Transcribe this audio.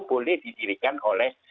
boleh didirikan oleh